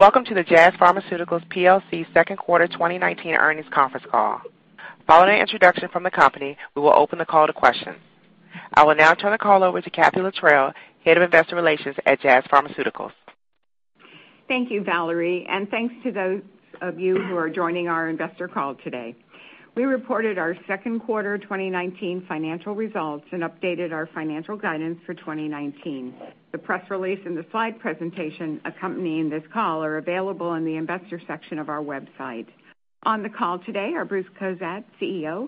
Welcome to the Jazz Pharmaceuticals plc second quarter 2019 earnings conference call. Following an introduction from the company, we will open the call to questions. I will now turn the call over to Kathy Littrell, Head of Investor Relations at Jazz Pharmaceuticals. Thank you, Valerie, and thanks to those of you who are joining our investor call today. We reported our second quarter 2019 financial results and updated our financial guidance for 2019. The press release and the slide presentation accompanying this call are available in the Investors section of our website. On the call today are Bruce Cozadd, CEO;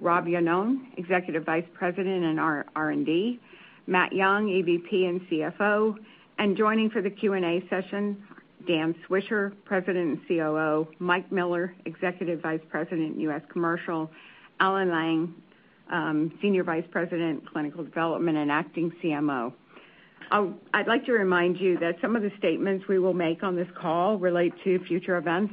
Robert Iannone, Executive Vice President in R&D; Matt Young, EVP and CFO. Joining for the Q&A session, Dan Swisher, President and COO; Mike Miller, Executive Vice President, U.S. Commercial; Allen Lang, Senior Vice President, Clinical Development and acting CMO. I'd like to remind you that some of the statements we will make on this call relate to future events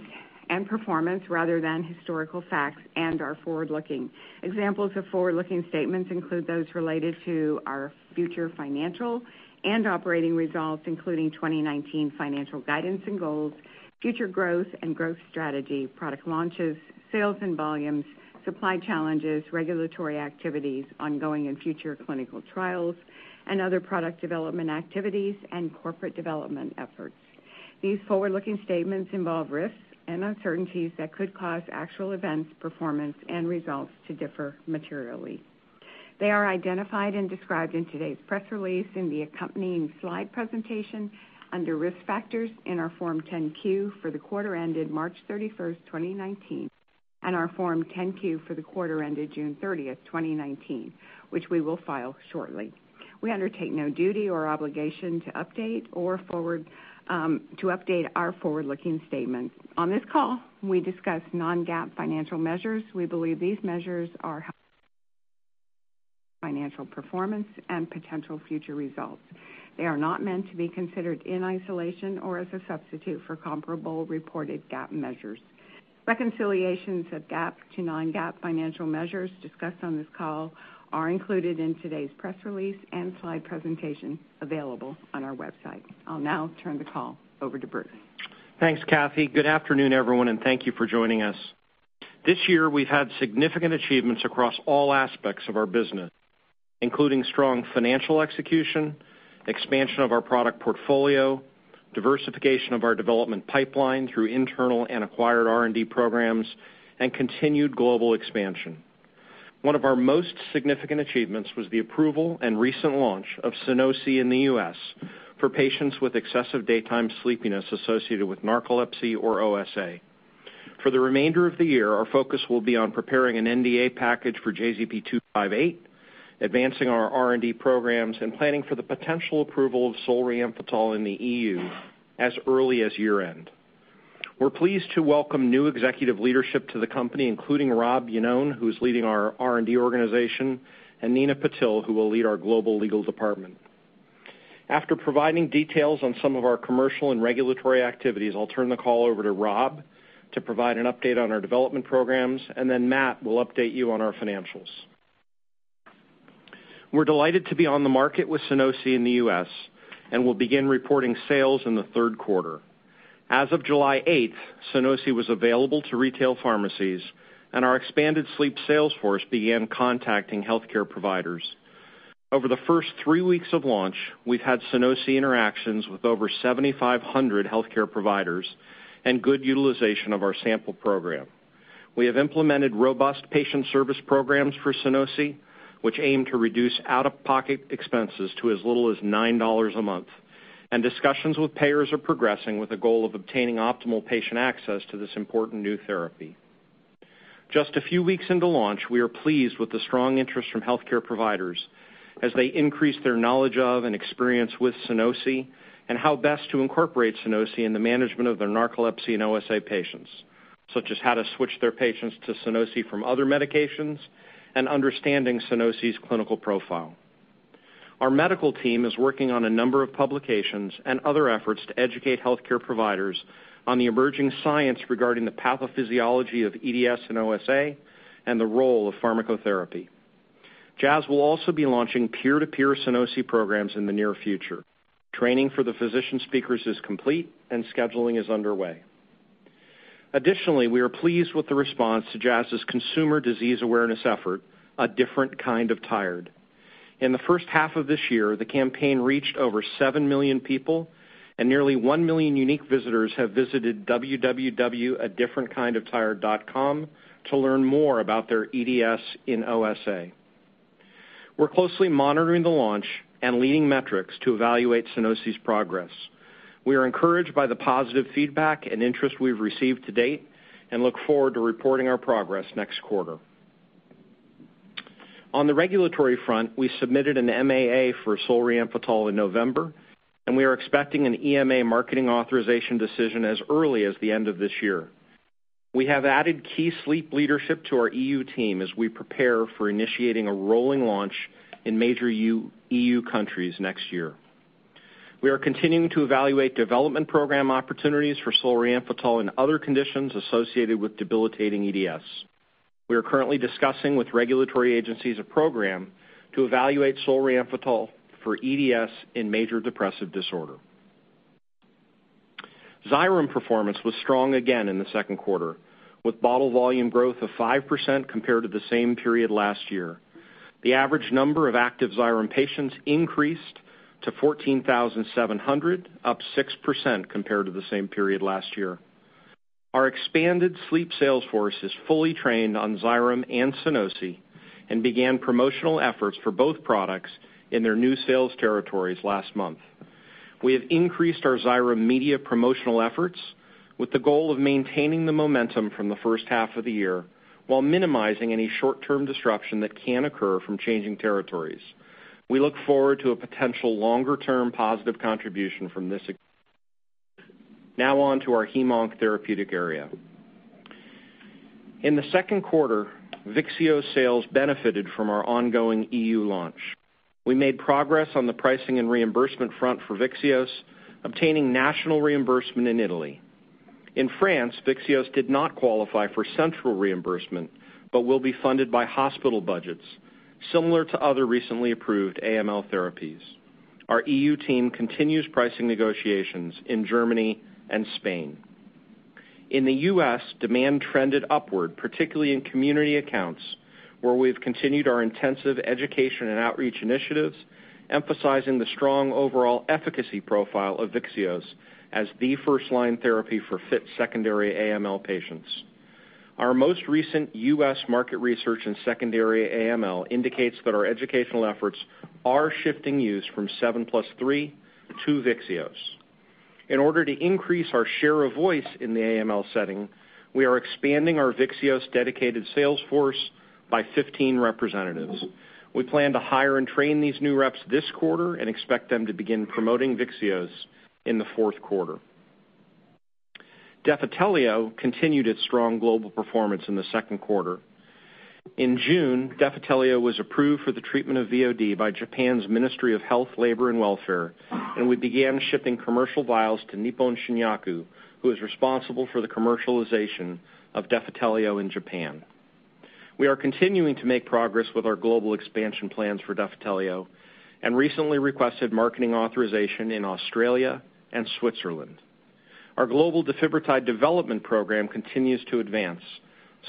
and performance rather than historical facts and are forward-looking. Examples of forward-looking statements include those related to our future financial and operating results, including 2019 financial guidance and goals, future growth and growth strategy, product launches, sales and volumes, supply challenges, regulatory activities, ongoing and future clinical trials, and other product development activities and corporate development efforts. These forward-looking statements involve risks and uncertainties that could cause actual events, performance and results to differ materially. They are identified and described in today's press release in the accompanying slide presentation under Risk Factors in our Form 10-Q for the quarter ended 30th March 2019, and our Form 10-Q for the quarter ended 30th June 2019, which we will file shortly. We undertake no duty or obligation to update our forward-looking statement. On this call, we discuss non-GAAP financial measures. We believe these measures are financial performance and potential future results. They are not meant to be considered in isolation or as a substitute for comparable reported GAAP measures. Reconciliations of GAAP to non-GAAP financial measures discussed on this call are included in today's press release and slide presentation available on our website. I'll now turn the call over to Bruce. Thanks, Kathy. Good afternoon, everyone, and thank you for joining us. This year, we've had significant achievements across all aspects of our business, including strong financial execution, expansion of our product portfolio, diversification of our development pipeline through internal and acquired R&D programs, and continued global expansion. One of our most significant achievements was the approval and recent launch of Sunosi in the U.S. for patients with excessive daytime sleepiness associated with narcolepsy or OSA. For the remainder of the year, our focus will be on preparing an NDA package for JZP-258, advancing our R&D programs, and planning for the potential approval of solriamfetol in the E.U. as early as year-end. We're pleased to welcome new executive leadership to the company, including Rob Yannone, who's leading our R&D organization, and Nina Patil, who will lead our global legal department. After providing details on some of our commercial and regulatory activities, I'll turn the call over to Rob to provide an update on our development programs, and then Matt will update you on our financials. We're delighted to be on the market with Sunosi in the U.S., and we'll begin reporting sales in the third quarter. As of July eighth, Sunosi was available to retail pharmacies, and our expanded sleep sales force began contacting healthcare providers. Over the first three weeks of launch, we've had Sunosi interactions with over 7,500 healthcare providers and good utilization of our sample program. We have implemented robust patient service programs for Sunosi, which aim to reduce out-of-pocket expenses to as little as $9 a month. Discussions with payers are progressing with a goal of obtaining optimal patient access to this important new therapy. Just a few weeks into launch, we are pleased with the strong interest from healthcare providers as they increase their knowledge of and experience with Sunosi and how best to incorporate Sunosi in the management of their narcolepsy and OSA patients, such as how to switch their patients to Sunosi from other medications and understanding Sunosi's clinical profile. Our medical team is working on a number of publications and other efforts to educate healthcare providers on the emerging science regarding the pathophysiology of EDS and OSA and the role of pharmacotherapy. Jazz will also be launching peer-to-peer Sunosi programs in the near future. Training for the physician speakers is complete and scheduling is underway. Additionally, we are pleased with the response to Jazz's consumer disease awareness effort, A Different Kind of Tired. In the first half of this year, the campaign reached over seven million people, and nearly one million unique visitors have visited www.adifferentkindoftired.com to learn more about their EDS in OSA. We're closely monitoring the launch and leading metrics to evaluate Sunosi's progress. We are encouraged by the positive feedback and interest we've received to date and look forward to reporting our progress next quarter. On the regulatory front, we submitted an MAA for solriamfetol in November, and we are expecting an EMA marketing authorization decision as early as the end of this year. We have added key sleep leadership to our EU team as we prepare for initiating a rolling launch in major EU countries next year. We are continuing to evaluate development program opportunities for solriamfetol in other conditions associated with debilitating EDS. We are currently discussing with regulatory agencies a program to evaluate solriamfetol for EDS in major depressive disorder. Xyrem performance was strong again in the second quarter, with bottle volume growth of 5% compared to the same period last year. The average number of active Xyrem patients increased to 14,700, up 6% compared to the same period last year. Our expanded sleep sales force is fully trained on Xyrem and Sunosi and began promotional efforts for both products in their new sales territories last month. We have increased our Xyrem media promotional efforts with the goal of maintaining the momentum from the first half of the year while minimizing any short-term disruption that can occur from changing territories. We look forward to a potential longer-term positive contribution from this. Now on to our hemonc therapeutic area. In the second quarter, Vyxeos sales benefited from our ongoing EU launch. We made progress on the pricing and reimbursement front for Vyxeos, obtaining national reimbursement in Italy. In France, Vyxeos did not qualify for central reimbursement, but will be funded by hospital budgets similar to other recently approved AML therapies. Our E.U. team continues pricing negotiations in Germany and Spain. In the U.S., demand trended upward, particularly in community accounts where we've continued our intensive education and outreach initiatives, emphasizing the strong overall efficacy profile of Vyxeos as the first-line therapy for fit secondary AML patients. Our most recent U.S. market research in secondary AML indicates that our educational efforts are shifting use from 7+3 to Vyxeos. In order to increase our share of voice in the AML setting, we are expanding our Vyxeos-dedicated sales force by 15 representatives. We plan to hire and train these new reps this quarter and expect them to begin promoting Vyxeos in the fourth quarter. Defitelio continued its strong global performance in the second quarter. In June, Defitelio was approved for the treatment of VOD by Japan's Ministry of Health, Labour and Welfare, and we began shipping commercial vials to Nippon Shinyaku, who is responsible for the commercialization of Defitelio in Japan. We are continuing to make progress with our global expansion plans for Defitelio and recently requested marketing authorization in Australia and Switzerland. Our global defibrotide development program continues to advance.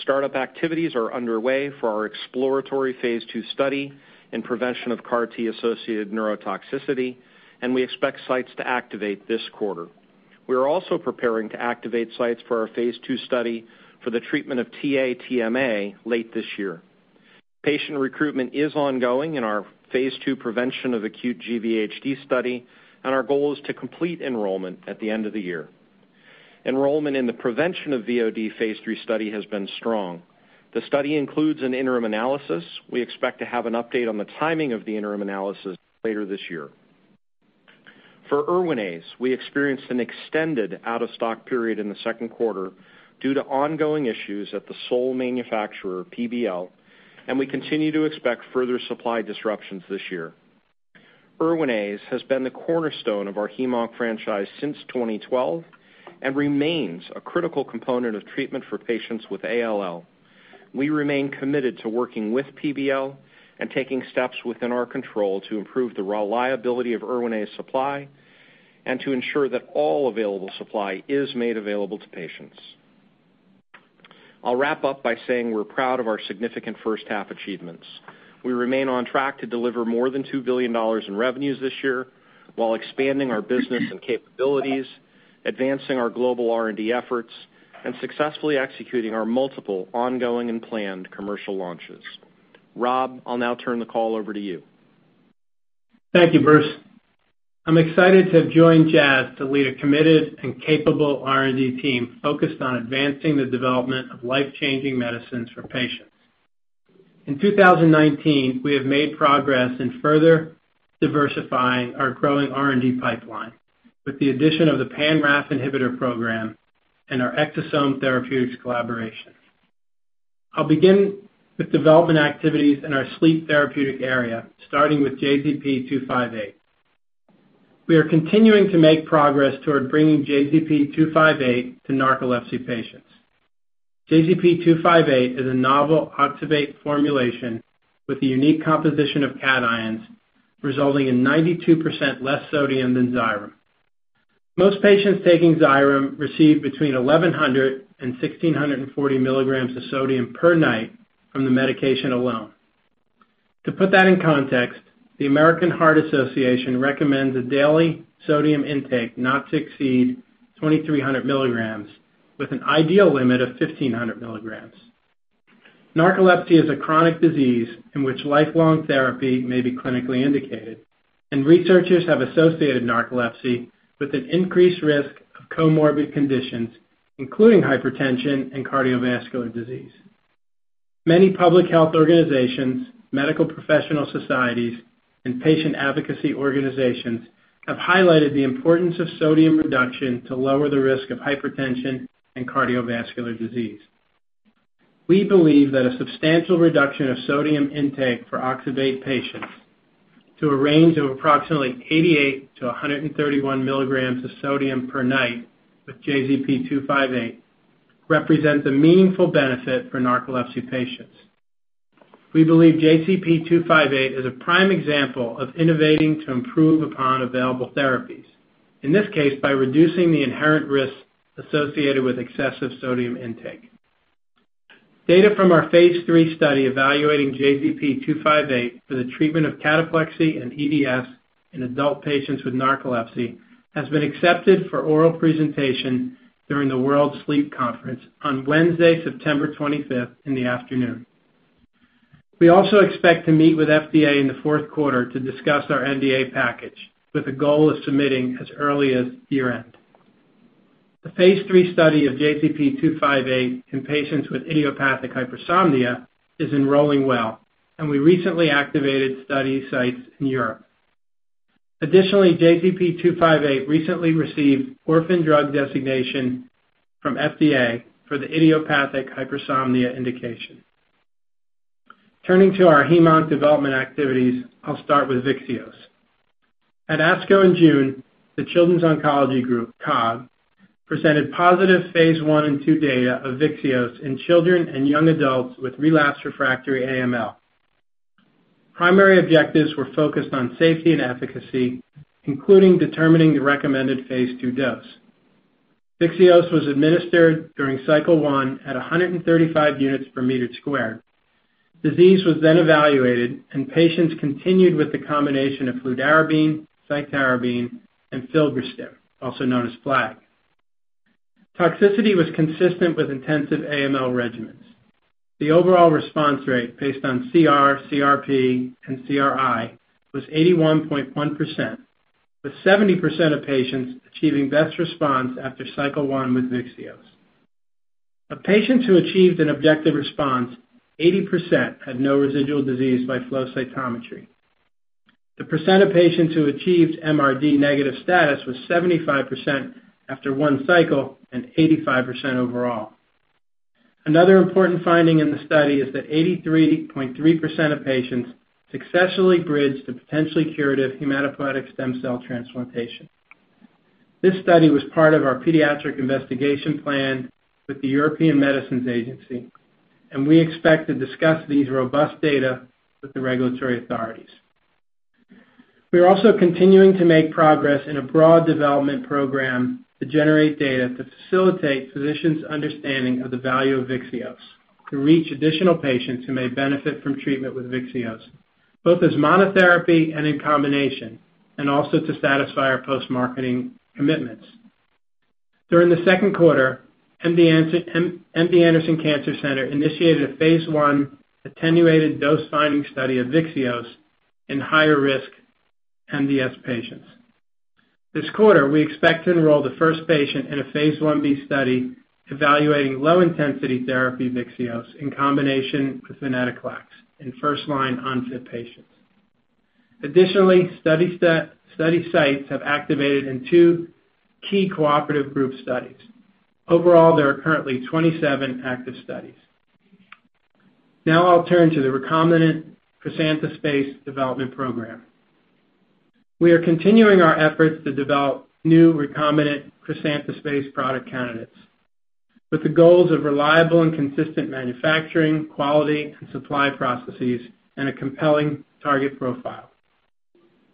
Startup activities are underway for our exploratory phase two study and prevention of CAR T-associated neurotoxicity, and we expect sites to activate this quarter. We are also preparing to activate sites for our phase two study for the treatment of TA-TMA late this year. Patient recruitment is ongoing in our phase ii prevention of acute GVHD study, and our goal is to complete enrollment at the end of the year. Enrollment in the prevention of VOD phase iii study has been strong. The study includes an interim analysis. We expect to have an update on the timing of the interim analysis later this year. For Erwinaze, we experienced an extended out-of-stock period in the second quarter due to ongoing issues at the sole manufacturer, PBL, and we continue to expect further supply disruptions this year. Erwinaze has been the cornerstone of our hem/onc franchise since 2012 and remains a critical component of treatment for patients with ALL. We remain committed to working with PBL and taking steps within our control to improve the reliability of Erwinaze supply and to ensure that all available supply is made available to patients. I'll wrap up by saying we're proud of our significant first-half achievements. We remain on track to deliver more than $2 billion in revenues this year while expanding our business and capabilities, advancing our global R&D efforts, and successfully executing our multiple ongoing and planned commercial launches. Rob, I'll now turn the call over to you. Thank you, Bruce. I'm excited to have joined Jazz to lead a committed and capable R&D team focused on advancing the development of life-changing medicines for patients. In 2019, we have made progress in further diversifying our growing R&D pipeline with the addition of the pan-RAF inhibitor program and our exosome therapeutics collaboration. I'll begin with development activities in our sleep therapeutic area, starting with JZP-258. We are continuing to make progress toward bringing JZP-258 to narcolepsy patients. JZP-258 is a novel oxybate formulation with the unique composition of cations resulting in 92% less sodium than Xyrem. Most patients taking Xyrem receive between 1,100 and 1,640 milligrams of sodium per night from the medication alone. To put that in context, the American Heart Association recommends a daily sodium intake not to exceed 2,300 milligrams with an ideal limit of 1,500 milligrams. Narcolepsy is a chronic disease in which lifelong therapy may be clinically indicated, and researchers have associated narcolepsy with an increased risk of comorbid conditions, including hypertension and cardiovascular disease. Many public health organizations, medical professional societies, and patient advocacy organizations have highlighted the importance of sodium reduction to lower the risk of hypertension and cardiovascular disease. We believe that a substantial reduction of sodium intake for oxybate patients to a range of approximately 88-131 milligrams of sodium per night with JZP-258 represents a meaningful benefit for narcolepsy patients. We believe JZP-258 is a prime example of innovating to improve upon available therapies, in this case by reducing the inherent risks associated with excessive sodium intake. Data from our phase iii study evaluating JZP-258 for the treatment of cataplexy and EDS in adult patients with narcolepsy has been accepted for oral presentation during the World Sleep Congress on Wednesday, September 25 in the afternoon. We also expect to meet with FDA in the fourth quarter to discuss our NDA package with the goal of submitting as early as year-end. The phase iii study of JZP-258 in patients with idiopathic hypersomnia is enrolling well, and we recently activated study sites in Europe. Additionally, JZP-258 recently received Orphan Drug Designation from FDA for the idiopathic hypersomnia indication. Turning to our hemonc development activities, I'll start with Vyxeos. At ASCO in June, the Children's Oncology Group, COG, presented positive phase i and iii data of Vyxeos in children and young adults with relapsed refractory AML. Primary objectives were focused on safety and efficacy, including determining the recommended phase ii dose. Vyxeos was administered during cycle one at 135 units per meter squared. Disease was then evaluated and patients continued with the combination of fludarabine, cytarabine, and filgrastim, also known as FLAG. Toxicity was consistent with intensive AML regimens. The overall response rate based on CR, CRp, and CRi was 81.1%, with 70% of patients achieving best response after cycle one with Vyxeos. Of patients who achieved an objective response, 80% had no residual disease by flow cytometry. The percent of patients who achieved MRD negative status was 75% after one cycle and 85% overall. Another important finding in the study is that 83.3% of patients successfully bridged to potentially curative hematopoietic stem cell transplantation. This study was part of our Pediatric Investigation Plan with the European Medicines Agency, and we expect to discuss these robust data with the regulatory authorities. We are also continuing to make progress in a broad development program to generate data to facilitate physicians' understanding of the value of Vyxeos, to reach additional patients who may benefit from treatment with Vyxeos, both as monotherapy and in combination, and also to satisfy our post-marketing commitments. During the second quarter, MD Anderson Cancer Center initiated a phase one attenuated dose-finding study of Vyxeos in higher risk MDS patients. This quarter, we expect to enroll the first patient in a phase one B study evaluating low-intensity therapy Vyxeos in combination with venetoclax in first-line unfit patients. Additionally, study sites have activated in two key cooperative group studies. Overall, there are currently 27 active studies. Now I'll turn to the recombinant asparaginase development program. We are continuing our efforts to develop new recombinant asparaginase product candidates with the goals of reliable and consistent manufacturing, quality and supply processes, and a compelling target profile.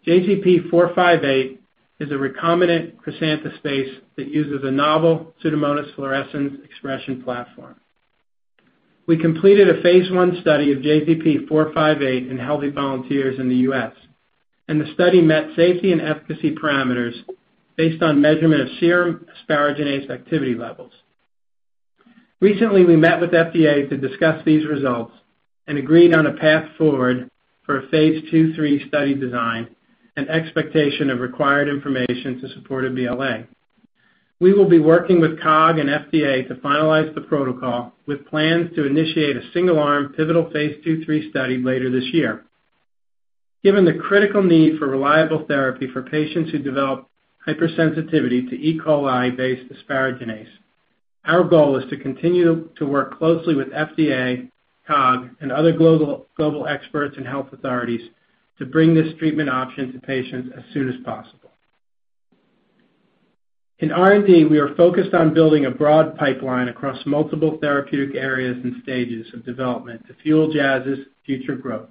JZP-458 is a recombinant asparaginase that uses a novel Pseudomonas fluorescens expression platform. We completed a phase 1 study of JZP-458 in healthy volunteers in the U.S., and the study met safety and efficacy parameters based on measurement of serum asparaginase activity levels. Recently, we met with FDA to discuss these results and agreed on a path forward for a phase 2/3 study design and expectation of required information to support a BLA. We will be working with COG and FDA to finalize the protocol with plans to initiate a single-arm pivotal phase 2/3 study later this year. Given the critical need for reliable therapy for patients who develop hypersensitivity to E. coli. coli-based asparaginase, our goal is to continue to work closely with FDA, COG, and other global experts and health authorities to bring this treatment option to patients as soon as possible. In R&D, we are focused on building a broad pipeline across multiple therapeutic areas and stages of development to fuel Jazz's future growth.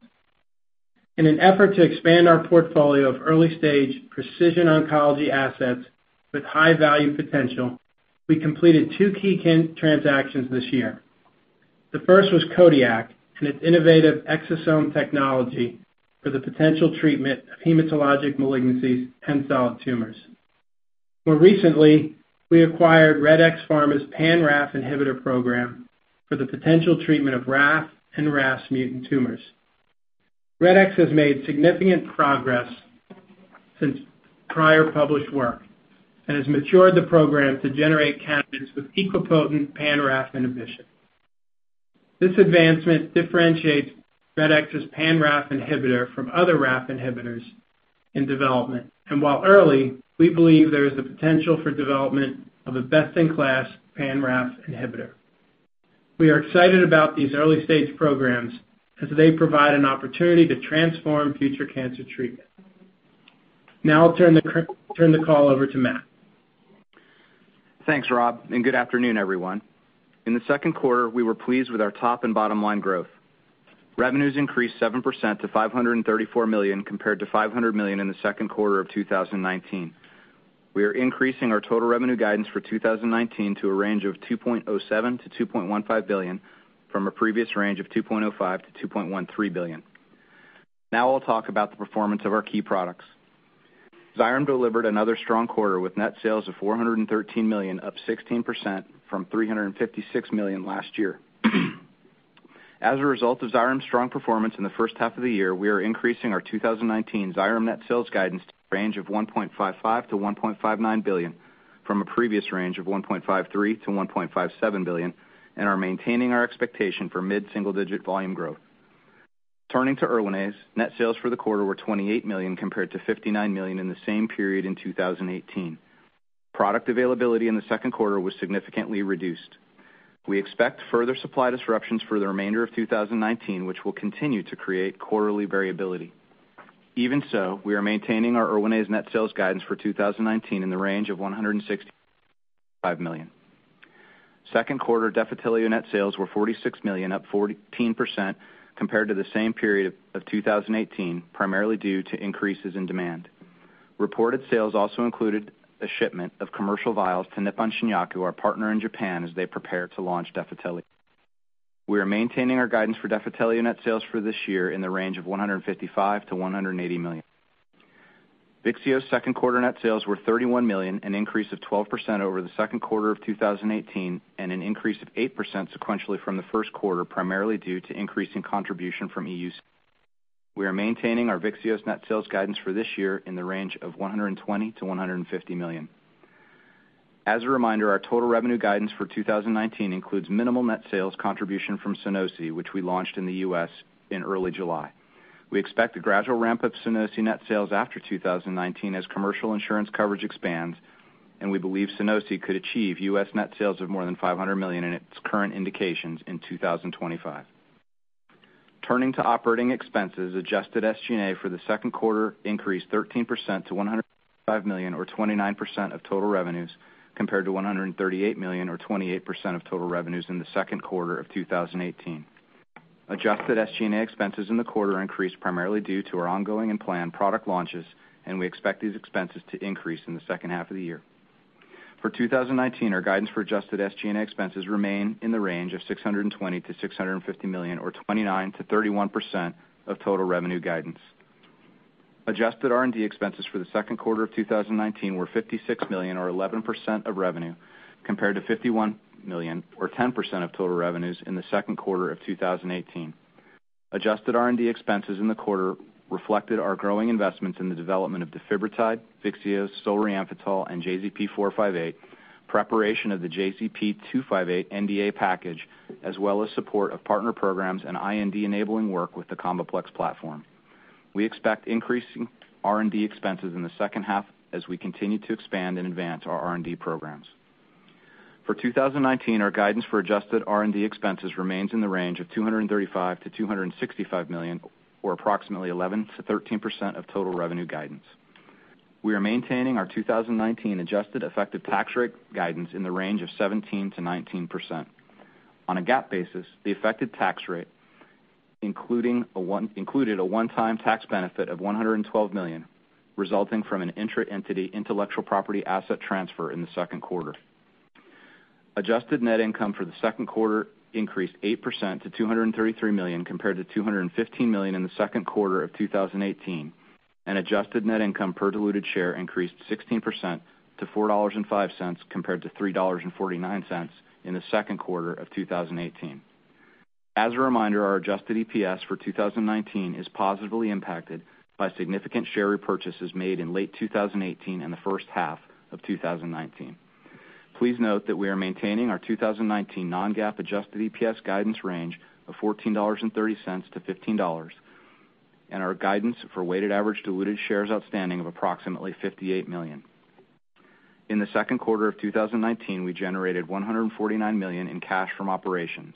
In an effort to expand our portfolio of early-stage precision oncology assets with high value potential, we completed two key transactions this year. The first was Codiak and its innovative exosome technology for the potential treatment of hematologic malignancies and solid tumors. More recently, we acquired Redx Pharma's pan-RAF inhibitor program for the potential treatment of RAF and RAS mutant tumors. Redx has made significant progress since prior published work and has matured the program to generate candidates with equipotent pan-RAF inhibition. This advancement differentiates Redx's pan-RAF inhibitor from other RAF inhibitors in development, and while early, we believe there is the potential for development of a best-in-class pan-RAF inhibitor. We are excited about these early-stage programs as they provide an opportunity to transform future cancer treatment. Now I'll turn the call over to Matt. Thanks, Rob, and good afternoon, everyone. In the second quarter, we were pleased with our top and bottom-line growth. Revenues increased 7% to $534 million compared to $500 million in the second quarter of 2019. We are increasing our total revenue guidance for 2019 to a range of $2.07 billion-$2.15 billion from a previous range of $2.05 billion-$2.13 billion. Now I'll talk about the performance of our key products. Xyrem delivered another strong quarter with net sales of $413 million, up 16% from $356 million last year. As a result of Xyrem's strong performance in the first half of the year, we are increasing our 2019 Xyrem net sales guidance to the range of $1.55 billion-$1.59 billion from a previous range of $1.53 billion-$1.57 billion and are maintaining our expectation for mid-single-digit volume growth. Turning to Erwinaze, net sales for the quarter were $28 million compared to $59 million in the same period in 2018. Product availability in the second quarter was significantly reduced. We expect further supply disruptions for the remainder of 2019, which will continue to create quarterly variability. Even so, we are maintaining our Erwinaze net sales guidance for 2019 in the range of $160 million-$165 million. Second quarter Defitelio net sales were $46 million, up 14% compared to the same period of 2018, primarily due to increases in demand. Reported sales also included a shipment of commercial vials to Nippon Shinyaku, our partner in Japan, as they prepare to launch Defitelio. We are maintaining our guidance for Defitelio net sales for this year in the range of $155 million-$180 million. Vyxeos second quarter net sales were $31 million, an increase of 12% over the second quarter of 2018, and an increase of 8% sequentially from the first quarter, primarily due to increase in contribution from E.U's. We are maintaining our Vyxeos net sales guidance for this year in the range of $120 million-$150 million. As a reminder, our total revenue guidance for 2019 includes minimal net sales contribution from Sunosi, which we launched in the U.S. in early July. We expect a gradual ramp of Sunosi net sales after 2019 as commercial insurance coverage expands, and we believe Sunosi could achieve U.S. net sales of more than $500 million in its current indications in 2025. Turning to operating expenses, adjusted SG&A for the second quarter increased 13% to $105 million or 29% of total revenues, compared to $138 million or 28% of total revenues in the second quarter of 2018. Adjusted SG&A expenses in the quarter increased primarily due to our ongoing and planned product launches, and we expect these expenses to increase in the second half of the year. For 2019, our guidance for adjusted SG&A expenses remain in the range of $620 million-$650 million or 29%-31% of total revenue guidance. Adjusted R&D expenses for the second quarter of 2019 were $56 million or 11% of revenue, compared to $51 million or 10% of total revenues in the second quarter of 2018. Adjusted R&D expenses in the quarter reflected our growing investments in the development of Defitelio, Vyxeos, solriamfetol, and JZP-458, preparation of the JZP-258 NDA package, as well as support of partner programs and IND-enabling work with the CombiPlex platform. We expect increasing R&D expenses in the second half as we continue to expand and advance our R&D programs. For 2019, our guidance for adjusted R&D expenses remains in the range of $235 million-$265 million or approximately 11%-13% of total revenue guidance. We are maintaining our 2019 adjusted effective tax rate guidance in the range of 17%-19%. On a GAAP basis, the effective tax rate, including a one-time tax benefit of $112 million, resulting from an intra-entity intellectual property asset transfer in the second quarter. Adjusted net income for the second quarter increased 8% to $233 million compared to $215 million in the second quarter of 2018, and adjusted net income per diluted share increased 16% to $4.05 compared to $3.49 in the second quarter of 2018. As a reminder, our adjusted EPS for 2019 is positively impacted by significant share repurchases made in late 2018 and the first half of 2019. Please note that we are maintaining our 2019 non-GAAP adjusted EPS guidance range of $14.30-$15, and our guidance for weighted average diluted shares outstanding of approximately 58 million. In the second quarter of 2019, we generated $149 million in cash from operations.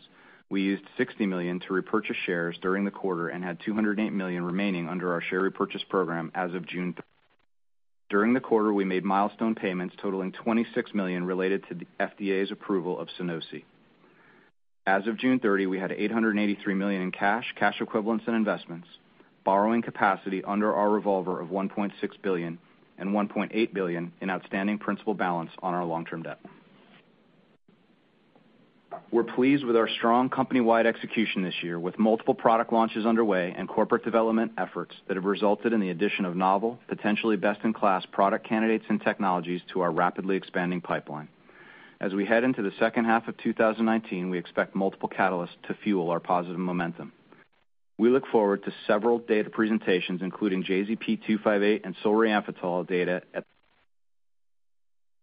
We used $60 million to repurchase shares during the quarter and had $208 million remaining under our share repurchase program. During the quarter, we made milestone payments totaling $26 million related to the FDA's approval of Sunosi. As of 30th June, we had $883 million in cash equivalents, and investments, borrowing capacity under our revolver of $1.6 billion and $1.8 billion in outstanding principal balance on our long-term debt. We're pleased with our strong company-wide execution this year with multiple product launches underway and corporate development efforts that have resulted in the addition of novel, potentially best-in-class product candidates and technologies to our rapidly expanding pipeline. As we head into the second half of 2019, we expect multiple catalysts to fuel our positive momentum. We look forward to several data presentations, including JZP-258 and solriamfetol data.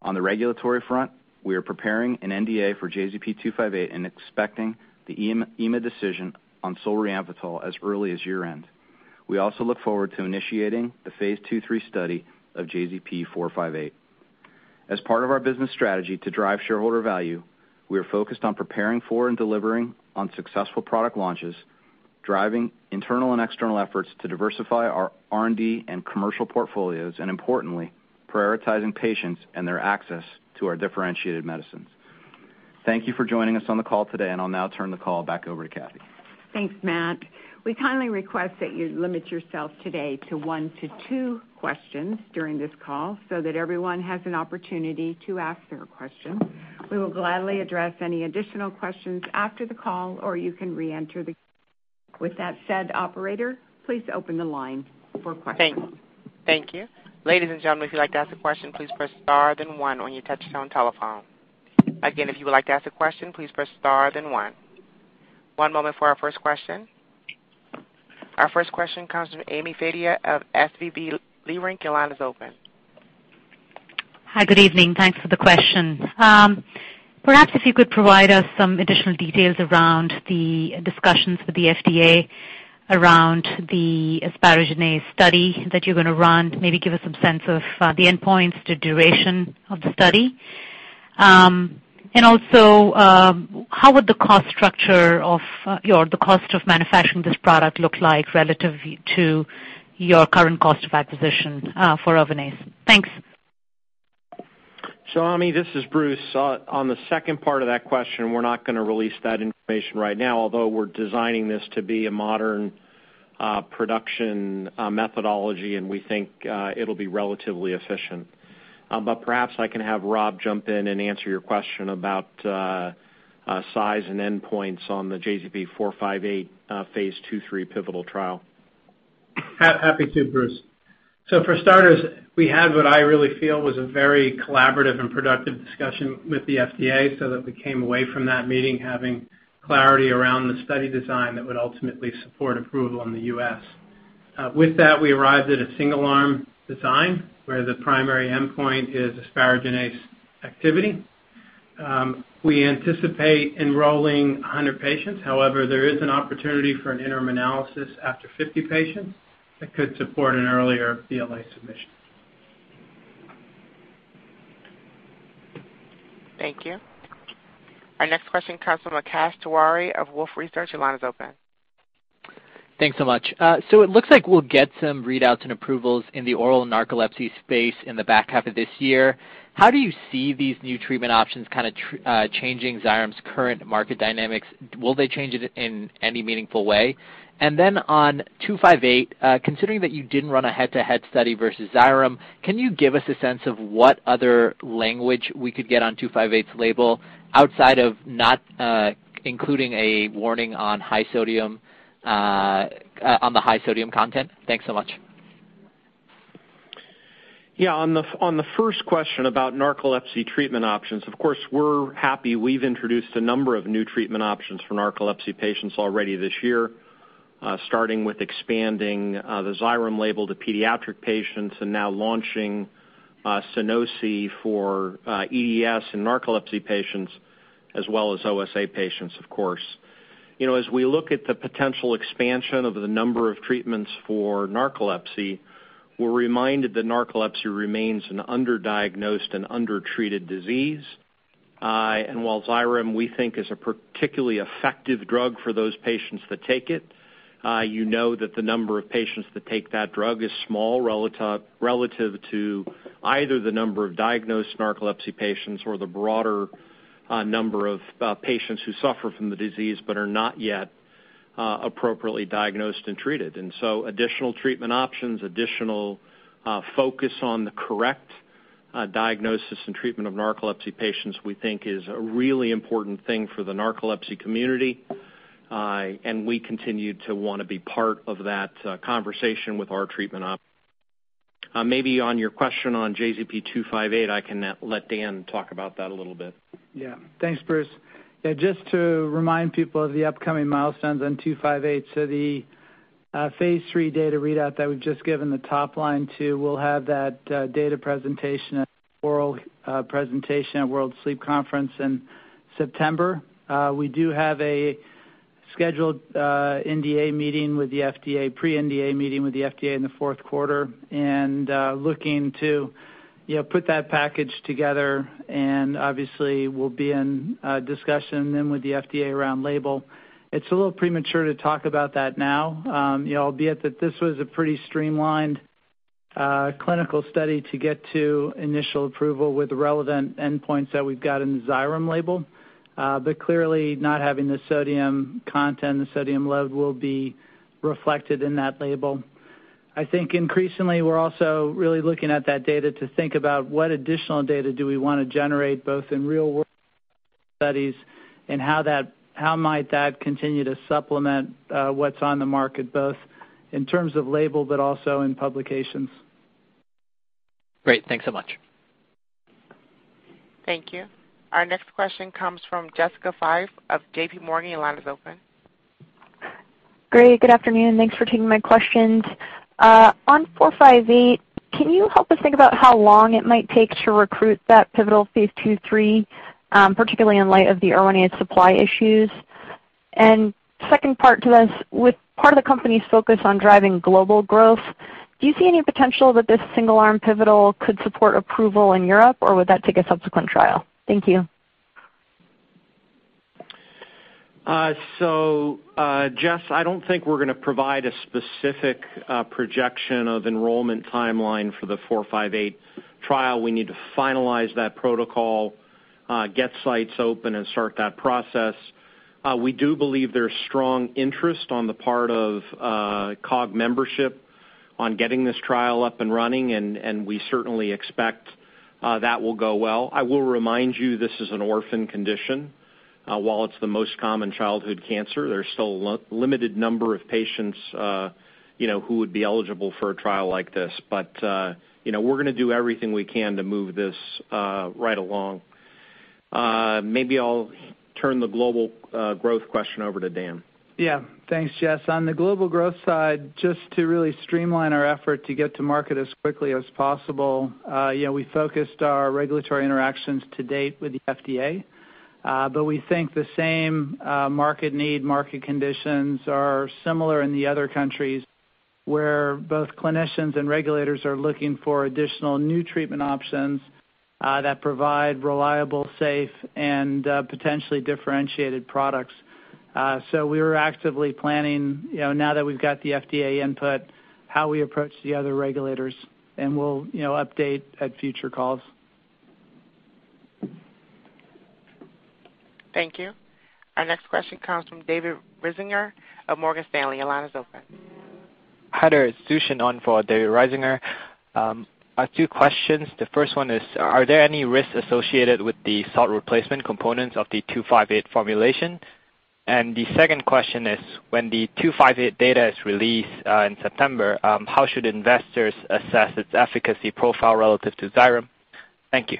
On the regulatory front, we are preparing an NDA for JZP-258 and expecting the EMA decision on solriamfetol as early as year-end. We also look forward to initiating the phase 2-3 study of JZP-458. As part of our business strategy to drive shareholder value, we are focused on preparing for and delivering on successful product launches, driving internal and external efforts to diversify our R&D and commercial portfolios, and importantly, prioritizing patients and their access to our differentiated medicines. Thank you for joining us on the call today, and I'll now turn the call back over to Kathy. Thanks, Matt. We kindly request that you limit yourself today to 1-2 questions during this call so that everyone has an opportunity to ask their question. We will gladly address any additional questions after the call, or you can reenter the queue. With that said, operator, please open the line for questions. Thank you. Ladies and gentlemen, if you'd like to ask a question, please press star then one on your touchtone telephone. Again, if you would like to ask a question, please press star then one. One moment for our first question. Our first question comes from Ami Fadia of SVB Leerink. Your line is open. Hi, good evening. Thanks for the questions. Perhaps if you could provide us some additional details around the discussions with the FDA around the asparaginase study that you're gonna run, maybe give us some sense of, the endpoints, the duration of the study. And also, how would the cost structure of, the cost of manufacturing this product look like relative to your current cost of acquisition, for Erwinaze? Thanks. Amy, this is Bruce. On the second part of that question, we're not gonna release that information right now, although we're designing this to be a modern production methodology, and we think it'll be relatively efficient. But perhaps I can have Rob jump in and answer your question about size and endpoints on the JZP-458 phase 2-3 pivotal trial. Happy to, Bruce. For starters, we had what I really feel was a very collaborative and productive discussion with the FDA so that we came away from that meeting having clarity around the study design that would ultimately support approval in the U.S. With that, we arrived at a single arm design where the primary endpoint is asparaginase activity. We anticipate enrolling 100 patients. However, there is an opportunity for an interim analysis after 50 patients that could support an earlier BLA submission. Thank you. Our next question comes from Akash Tewari of Wolfe Research. Your line is open. Thanks so much. It looks like we'll get some readouts and approvals in the oral narcolepsy space in the back half of this year. How do you see these new treatment options kinda changing Xyrem's current market dynamics? Will they change it in any meaningful way? And then on 258, considering that you didn't run a head-to-head study versus Xyrem, can you give us a sense of what other language we could get on 258's label outside of not including a warning on high sodium, on the high sodium content? Thanks so much. Yeah. On the first question about narcolepsy treatment options, of course, we're happy we've introduced a number of new treatment options for narcolepsy patients already this year, starting with expanding the Xyrem label to pediatric patients and now launching Sunosi for EDS in narcolepsy patients as well as OSA patients, of course. You know, as we look at the potential expansion of the number of treatments for narcolepsy, we're reminded that narcolepsy remains an underdiagnosed and undertreated disease. While Xyrem, we think, is a particularly effective drug for those patients that take it, you know that the number of patients that take that drug is small relative to either the number of diagnosed narcolepsy patients or the broader number of patients who suffer from the disease but are not yet appropriately diagnosed and treated. Additional treatment options, focus on the correct diagnosis and treatment of narcolepsy patients, we think, is a really important thing for the narcolepsy community. We continue to wanna be part of that conversation with our treatment op. Maybe on your question on JZP-258, I can let Dan talk about that a little bit. Yeah. Thanks, Bruce. Yeah, just to remind people of the upcoming milestones on 258. So the phase iii data readout that we've just given the top line to, we'll have that data presentation at oral presentation at World Sleep Congress in September. We do have a scheduled NDA meeting with the FDA, pre-NDA meeting with the FDA in the fourth quarter, and looking to put that package together, and obviously we'll be in discussion then with the FDA around label. It's a little premature to talk about that now. You know, albeit that this was a pretty streamlined clinical study to get to initial approval with the relevant endpoints that we've got in the Xyrem label. Clearly not having the sodium content and the sodium load will be reflected in that label. I think increasingly we're also really looking at that data to think about what additional data do we wanna generate both in real world studies and how might that continue to supplement what's on the market both in terms of label but also in publications. Great. Thanks so much. Thank you. Our next question comes from Jessica Fye of J.P. Morgan. Your line is open. Great. Good afternoon. Thanks for taking my questions. On 458, can you help us think about how long it might take to recruit that pivotal phase 2-3, particularly in light of the Erwinaze supply issues? Second part to this, with part of the company's focus on driving global growth, do you see any potential that this single-arm pivotal could support approval in Europe, or would that take a subsequent trial? Thank you. Jess, I don't think we're gonna provide a specific projection of enrollment timeline for the 458 trial. We need to finalize that protocol, get sites open and start that process. We do believe there's strong interest on the part of COG membership on getting this trial up and running, and we certainly expect that will go well. I will remind you, this is an orphan condition. While it's the most common childhood cancer, there's still a limited number of patients, you know, who would be eligible for a trial like this. You know, we're gonna do everything we can to move this right along. Maybe I'll turn the global growth question over to Dan. Yeah. Thanks, Jess. On the global growth side, just to really streamline our effort to get to market as quickly as possible, you know, we focused our regulatory interactions to date with the FDA. We think the same market need, market conditions are similar in the other countries, where both clinicians and regulators are looking for additional new treatment options that provide reliable, safe, and potentially differentiated products. We're actively planning, you know, now that we've got the FDA input, how we approach the other regulators, and we'll, you know, update at future calls. Thank you. Our next question comes from David Risinger of Morgan Stanley. Your line is open. Hi there. It's Zhu Shen on for David Risinger. I have two questions. The first one is, are there any risks associated with the salt replacement components of the JZP-258 formulation? The second question is, when the JZP-258 data is released in September, how should investors assess its efficacy profile relative to Xyrem? Thank you.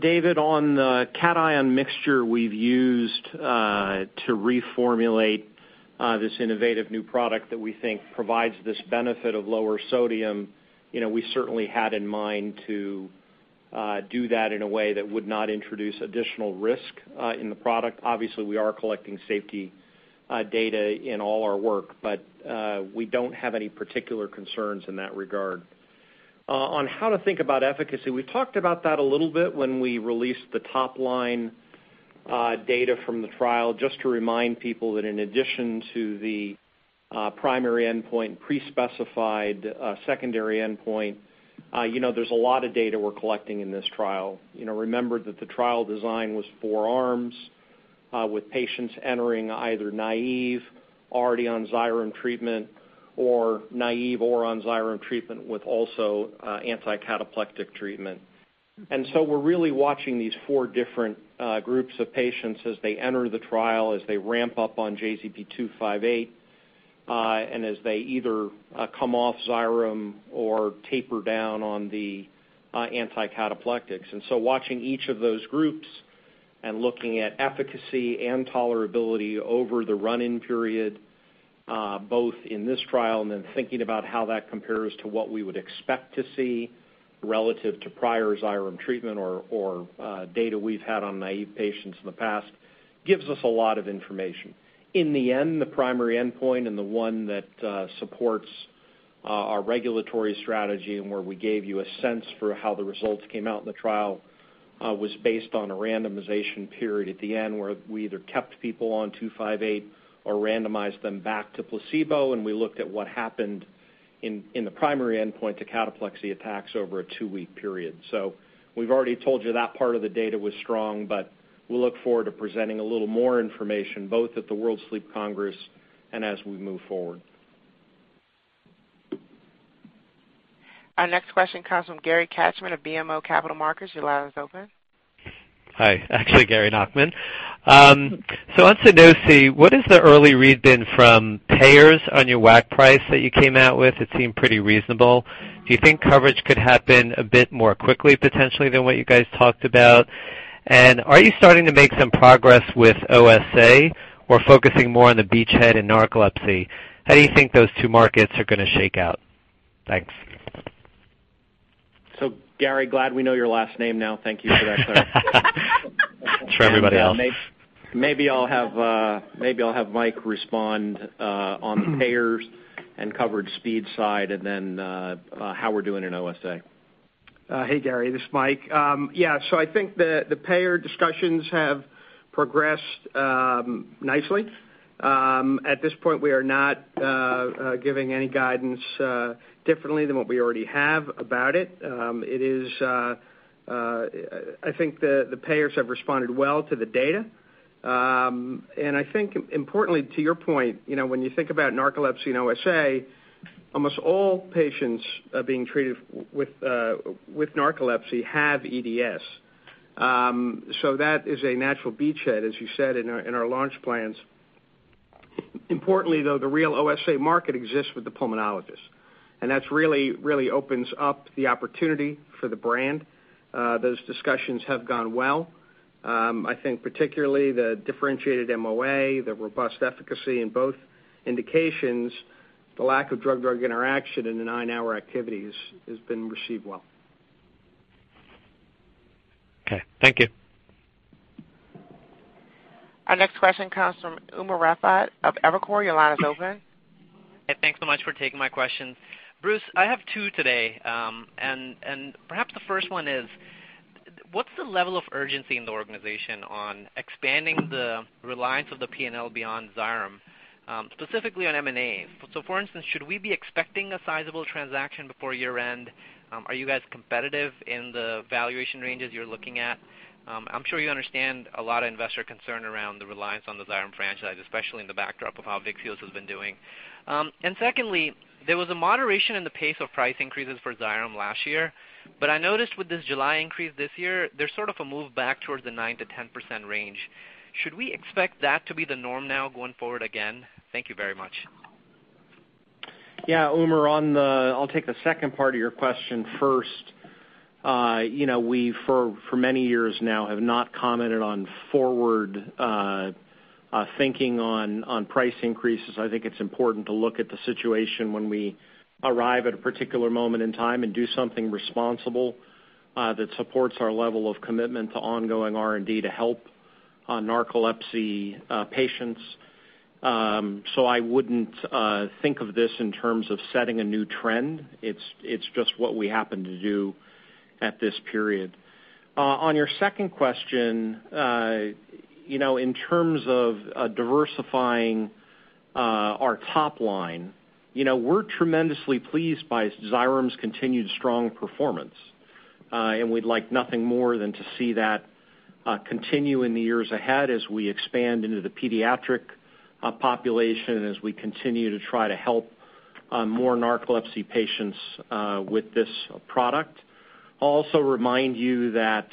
David, on the cation mixture we've used to reformulate this innovative new product that we think provides this benefit of lower sodium, you know, we certainly had in mind to do that in a way that would not introduce additional risk in the product. Obviously, we are collecting safety data in all our work, but we don't have any particular concerns in that regard. On how to think about efficacy, we talked about that a little bit when we released the top-line data from the trial, just to remind people that in addition to the primary endpoint, pre-specified secondary endpoint, you know, there's a lot of data we're collecting in this trial. You know, remember that the trial design was four arms, with patients entering either naive, already on Xyrem treatment or naive or on Xyrem treatment with also, anti-cataplectic treatment. We're really watching these four different groups of patients as they enter the trial, as they ramp up on JZP-258, and as they either, come off Xyrem or taper down on the, anti-cataplectics. Watching each of those groups and looking at efficacy and tolerability over the run-in period, both in this trial and then thinking about how that compares to what we would expect to see relative to prior Xyrem treatment or data we've had on naive patients in the past, gives us a lot of information. In the end, the primary endpoint and the one that supports our regulatory strategy and where we gave you a sense for how the results came out in the trial was based on a randomization period at the end, where we either kept people on JZP-258 or randomized them back to placebo, and we looked at what happened in the primary endpoint to cataplexy attacks over a two-week period. We've already told you that part of the data was strong, but we look forward to presenting a little more information, both at the World Sleep Congress and as we move forward. Our next question comes from Gary Nachman of BMO Capital Markets. Your line is open. Hi. Actually, Gary Nachman. On Sunosi, what has the early read been from payers on your WAC price that you came out with? It seemed pretty reasonable. Do you think coverage could happen a bit more quickly potentially than what you guys talked about? Are you starting to make some progress with OSA or focusing more on the beachhead and narcolepsy? How do you think those two markets are gonna shake out? Thanks. Gary, glad we know your last name now. Thank you for that clarity. It's for everybody else. Maybe I'll have Mike respond on the payers and coverage speed side and then how we're doing in OSA. Hey Gary, this is Mike. Yeah, I think the payer discussions have progressed nicely. At this point, we are not giving any guidance differently than what we already have about it. I think the payers have responded well to the data. I think importantly to your point, you know, when you think about narcolepsy and OSA, almost all patients being treated for narcolepsy have EDS. That is a natural beachhead, as you said, in our launch plans. Importantly, though, the real OSA market exists with the pulmonologist, and that really opens up the opportunity for the brand. Those discussions have gone well. I think particularly the differentiated MOA, the robust efficacy in both indications. The lack of drug-drug interaction in the nine-hour activity has been received well. Okay. Thank you. Our next question comes from Umer Raffat of Evercore. Your line is open. Hey, thanks so much for taking my questions. Bruce, I have two today. Perhaps the first one is, what's the level of urgency in the organization on expanding the reliance of the P&L beyond Xyrem, specifically on M&A? For instance, should we be expecting a sizable transaction before year-end? Are you guys competitive in the valuation ranges you're looking at? I'm sure you understand a lot of investor concern around the reliance on the Xyrem franchise, especially in the backdrop of how Vyxeos has been doing. Secondly, there was a moderation in the pace of price increases for Xyrem last year, but I noticed with this July increase this year, there's sort of a move back towards the 9%-10% range. Should we expect that to be the norm now going forward again? Thank you very much. Yeah, Umer, on the, I'll take the second part of your question first. You know, we, for many years now, have not commented on forward thinking on price increases. I think it's important to look at the situation when we arrive at a particular moment in time and do something responsible that supports our level of commitment to ongoing R&D to help narcolepsy patients. I wouldn't think of this in terms of setting a new trend. It's just what we happen to do at this period. On your second question, you know, in terms of diversifying our top line, you know, we're tremendously pleased by Xyrem's continued strong performance. We'd like nothing more than to see that continue in the years ahead as we expand into the pediatric population and as we continue to try to help more narcolepsy patients with this product. I'll also remind you that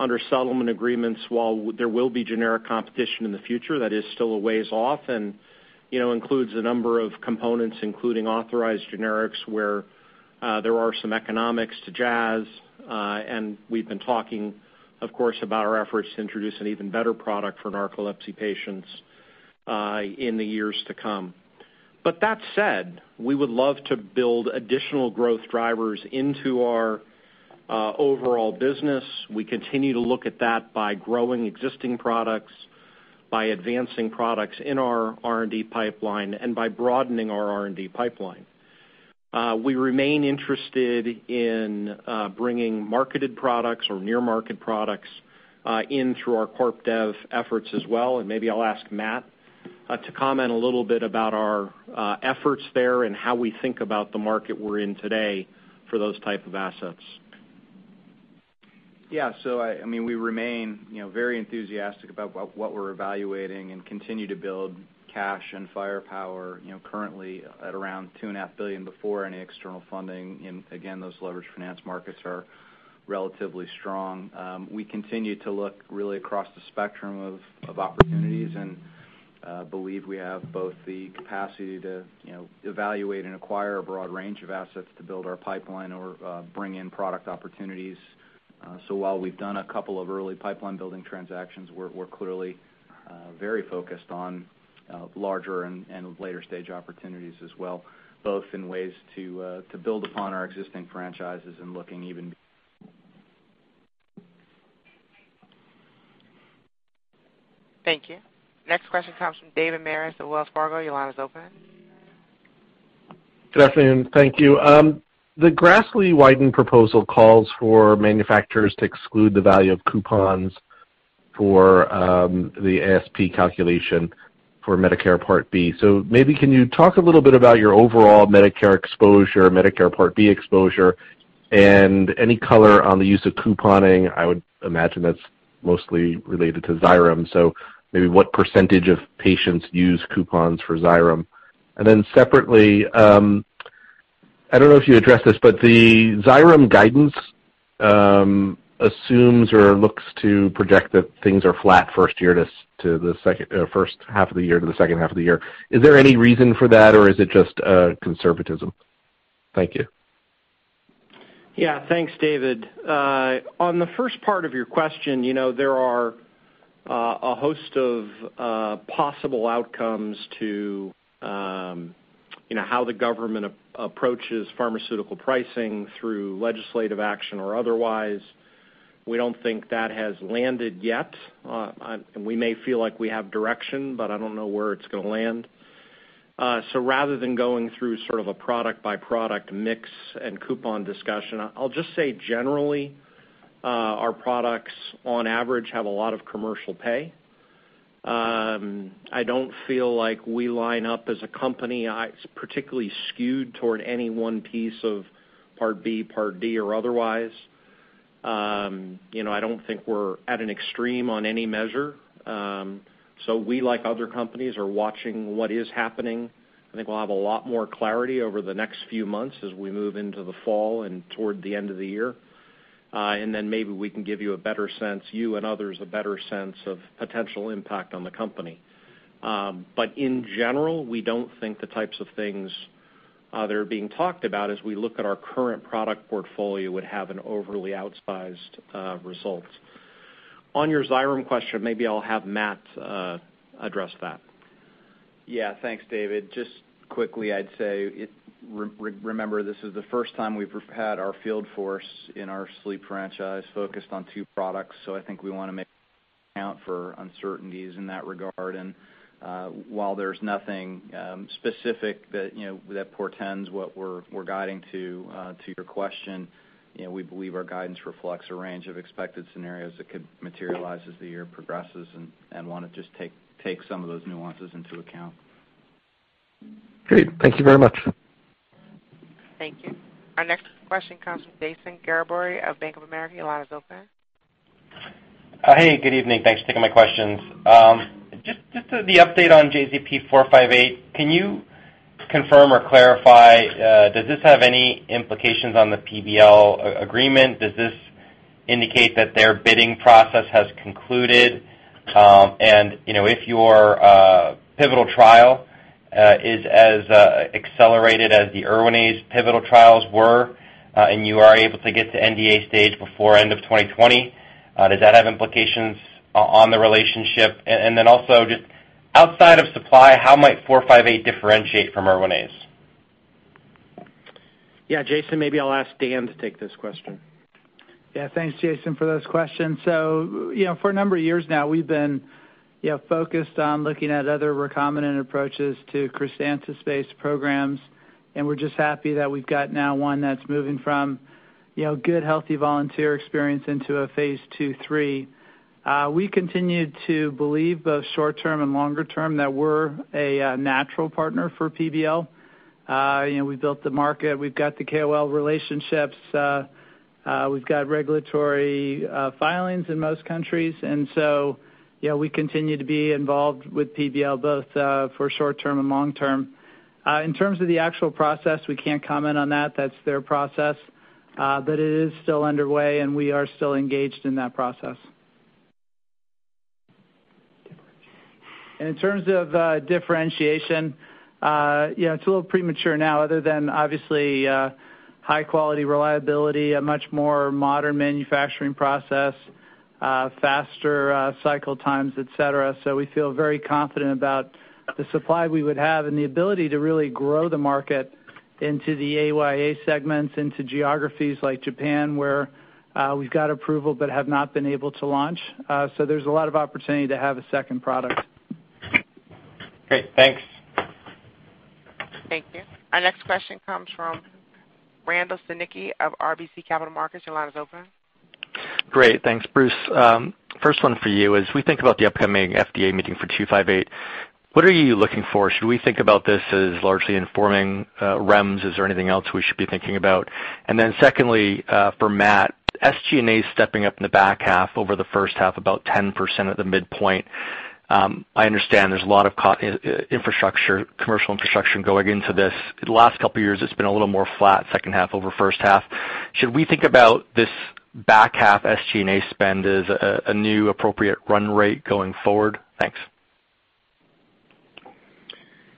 under settlement agreements, while there will be generic competition in the future, that is still a ways off, and you know, includes a number of components, including authorized generics, where there are some economics to Jazz. We've been talking, of course, about our efforts to introduce an even better product for narcolepsy patients in the years to come. But that said, we would love to build additional growth drivers into our overall business. We continue to look at that by growing existing products, by advancing products in our R&D pipeline, and by broadening our R&D pipeline. We remain interested in bringing marketed products or near market products in through our corp dev efforts as well. Maybe I'll ask Matt to comment a little bit about our efforts there and how we think about the market we're in today for those type of assets. Yeah. I mean, we remain, you know, very enthusiastic about what we're evaluating and continue to build cash and firepower, you know, currently at around $2.5 billion before any external funding. Again, those leveraged finance markets are relatively strong. We continue to look really across the spectrum of opportunities and believe we have both the capacity to, you know, evaluate and acquire a broad range of assets to build our pipeline or bring in product opportunities. While we've done a couple of early pipeline building transactions, we're clearly very focused on larger and later stage opportunities as well, both in ways to build upon our existing franchises and looking even- Thank you. Next question comes from David Maris at Wells Fargo. Your line is open. Good afternoon. Thank you. The Grassley-Wyden proposal calls for manufacturers to exclude the value of coupons for the ASP calculation for Medicare Part B. Maybe you can talk a little bit about your overall Medicare exposure, Medicare Part B exposure, and any color on the use of couponing. I would imagine that's mostly related to Xyrem. Maybe what percentage of patients use coupons for Xyrem? And then separately, I don't know if you addressed this, but the Xyrem guidance assumes or looks to project that things are flat first half of the year to the second half of the year. Is there any reason for that, or is it just conservatism? Thank you. Yeah. Thanks, David. On the first part of your question, you know, there are a host of possible outcomes to, you know, how the government approaches pharmaceutical pricing through legislative action or otherwise. We don't think that has landed yet. We may feel like we have direction, but I don't know where it's gonna land. Rather than going through sort of a product-by-product mix and coupon discussion, I'll just say generally, our products on average have a lot of commercial payer. I don't feel like we line up as a company, particularly skewed toward any one piece of Part B, Part D, or otherwise. You know, I don't think we're at an extreme on any measure. We, like other companies, are watching what is happening. I think we'll have a lot more clarity over the next few months as we move into the fall and toward the end of the year. Maybe we can give you a better sense, you and others, a better sense of potential impact on the company. In general, we don't think the types of things that are being talked about as we look at our current product portfolio would have an overly outsized result. On your Xyrem question, maybe I'll have Matt address that. Yeah, thanks, David. Just quickly, I'd say remember, this is the first time we've had our field force in our sleep franchise focused on two products. I think we want to account for uncertainties in that regard. While there's nothing specific that, you know, portends what we're guiding to your question, you know, we believe our guidance reflects a range of expected scenarios that could materialize as the year progresses and want to just take some of those nuances into account. Great. Thank you very much. Thank you. Our next question comes from Jason Gerberry of Bank of America. Your line is open. Hey, good evening. Thanks for taking my questions. Just the update on JZP458, can you confirm or clarify, does this have any implications on the PBL agreement? Does this indicate that their bidding process has concluded? You know, if your pivotal trial is as accelerated as the Erwinaze pivotal trials were, and you are able to get to NDA stage before end of 2020, does that have implications on the relationship? Then also just outside of supply, how might 458 differentiate from Erwinaze? Yeah. Jason, maybe I'll ask Dan to take this question. Yeah. Thanks, Jason, for those questions. You know, for a number of years now, we've been, you know, focused on looking at other recombinant approaches to Erwinaze space programs, and we're just happy that we've got now one that's moving from, you know, good healthy volunteer experience into a phase 2/3. We continue to believe both short-term and longer term that we're a natural partner for PBL. You know, we built the market, we've got the KOL relationships, we've got regulatory filings in most countries. You know, we continue to be involved with PBL both for short-term and long-term. In terms of the actual process, we can't comment on that. That's their process. It is still underway, and we are still engaged in that process. In terms of differentiation, you know, it's a little premature now other than obviously high quality reliability, a much more modern manufacturing process, faster cycle times, et cetera. We feel very confident about the supply we would have and the ability to really grow the market into the AYA segments, into geographies like Japan, where we've got approval but have not been able to launch. There's a lot of opportunity to have a second product. Great. Thanks. Thank you. Our next question comes from Randall Stanicky of RBC Capital Markets. Your line is open. Great. Thanks, Bruce. First one for you. As we think about the upcoming FDA meeting for JZP-258, what are you looking for? Should we think about this as largely informing REMS? Is there anything else we should be thinking about? Then secondly, for Matt, SG&A is stepping up in the back half over the first half, about 10% at the midpoint. I understand there's a lot of commercial infrastructure going into this. The last couple of years, it's been a little more flat, second half over first half. Should we think about this back half SG&A spend as a new appropriate run rate going forward? Thanks.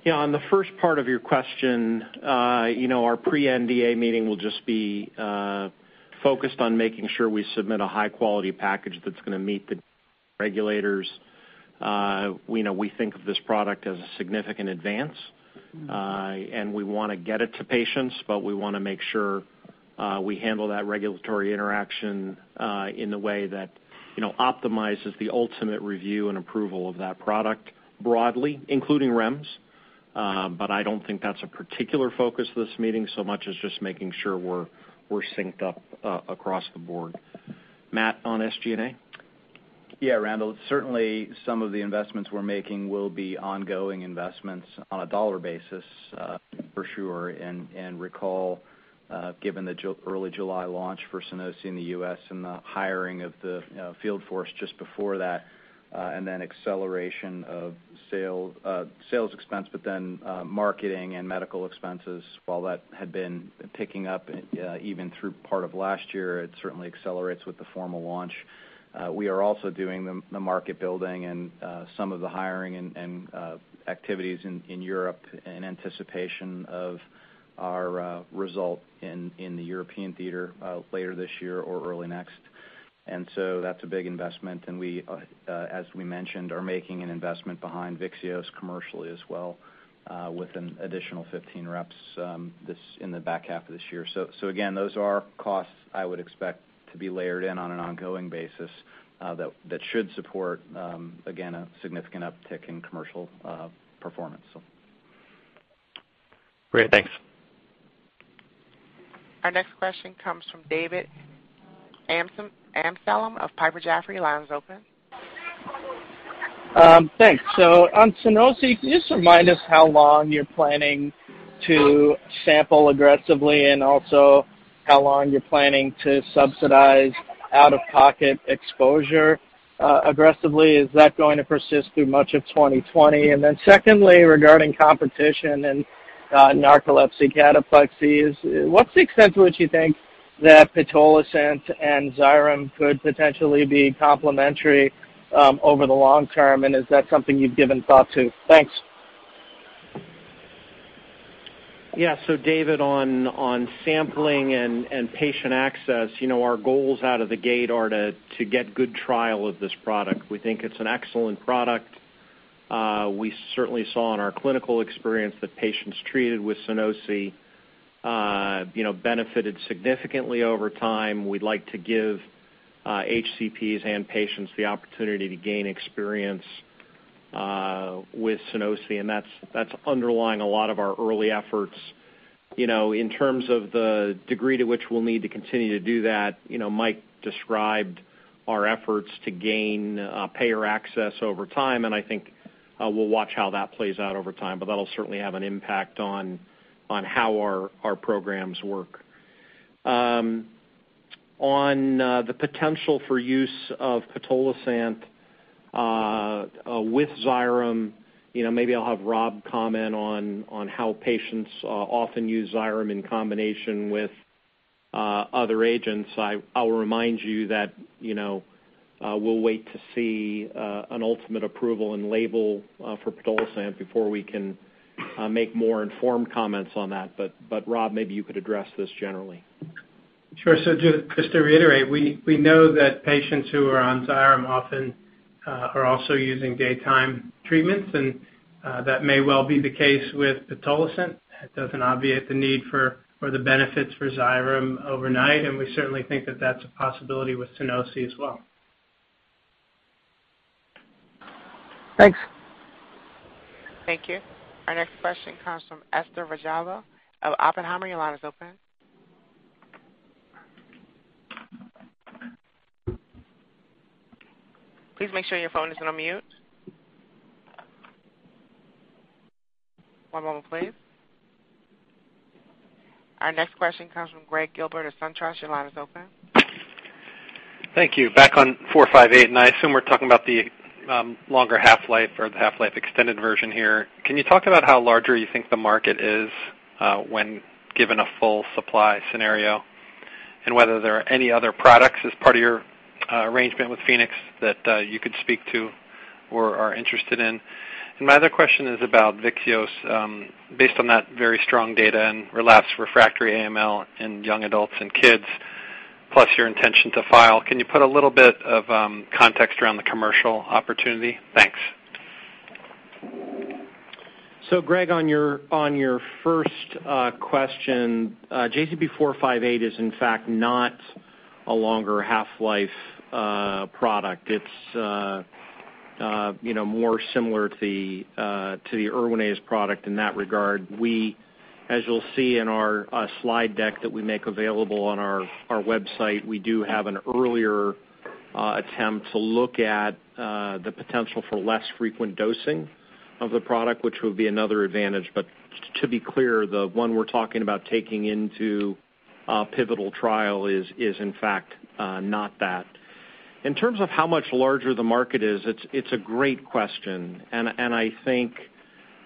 Yeah. On the first part of your question, you know, our pre-NDA meeting will just be focused on making sure we submit a high quality package that's gonna meet the regulators. We know we think of this product as a significant advance, and we wanna get it to patients, but we wanna make sure we handle that regulatory interaction in a way that, you know, optimizes the ultimate review and approval of that product broadly, including REMS. I don't think that's a particular focus of this meeting so much as just making sure we're synced up across the board. Matt, on SG&A? Yeah, Randall Stanicky. Certainly, some of the investments we're making will be ongoing investments on a dollar basis, for sure. Recall, given the early July launch for Sunosi in the U.S. and the hiring of the, you know, field force just before that, and then acceleration of sales expense, but then marketing and medical expenses, while that had been picking up even through part of last year, it certainly accelerates with the formal launch. We are also doing the market building and some of the hiring and activities in Europe in anticipation of our result in the European theater later this year or early next. That's a big investment. We, as we mentioned, are making an investment behind Vyxeos commercially as well, with an additional 15 reps, in the back half of this year. Again, those are costs I would expect to be layered in on an ongoing basis, that should support again a significant uptick in commercial performance. Great. Thanks. Our next question comes from David Amsellem of Piper Jaffray. Line's open. Thanks. On Sunosi, can you just remind us how long you're planning to sample aggressively and also how long you're planning to subsidize out-of-pocket exposure aggressively? Is that going to persist through much of 2020? Secondly, regarding competition and narcolepsy cataplexy, what's the extent to which you think that Pitolisant and Xyrem could potentially be complementary over the long term? And is that something you've given thought to? Thanks. Yeah. David, on sampling and patient access, you know, our goals out of the gate are to get good trial of this product. We think it's an excellent product. We certainly saw in our clinical experience that patients treated with Sunosi, you know, benefited significantly over time. We'd like to give HCPs and patients the opportunity to gain experience with Sunosi, and that's underlying a lot of our early efforts. You know, in terms of the degree to which we'll need to continue to do that, you know, Mike described our efforts to gain payer access over time, and I think we'll watch how that plays out over time, but that'll certainly have an impact on how our programs work. On the potential for use of Pitolisant with Xyrem, you know, maybe I'll have Rob comment on how patients often use Xyrem in combination with other agents. I'll remind you that, you know, we'll wait to see an ultimate approval and label for Pitolisant before we can make more informed comments on that. Rob, maybe you could address this generally. Sure. Just to reiterate, we know that patients who are on Xyrem often are also using daytime treatments, and that may well be the case with Pitolisant. That doesn't obviate the need for the benefits for Xyrem overnight, and we certainly think that that's a possibility with Sunosi as well. Thanks. Thank you. Our next question comes from Esther Rajavelu of Oppenheimer. Your line is open. Please make sure your phone isn't on mute. One moment please. Our next question comes from Greg Gilbert of SunTrust. Your line is open. Thank you. Back on 458, and I assume we're talking about the longer half-life or the half-life extended version here. Can you talk about how larger you think the market is when given a full supply scenario? And whether there are any other products as part of your arrangement with Pfenex that you could speak to or are interested in? And my other question is about Vyxeos. Based on that very strong data in relapsed refractory AML in young adults and kids, plus your intention to file, can you put a little bit of context around the commercial opportunity? Thanks. Greg Gilbert, on your first question, JZP-458 is in fact not a longer half-life product. It's you know, more similar to the Erwinaze product in that regard. As you'll see in our slide deck that we make available on our website, we do have an earlier attempt to look at the potential for less frequent dosing of the product, which would be another advantage. To be clear, the one we're talking about taking into a pivotal trial is in fact not that. In terms of how much larger the market is, it's a great question, and I think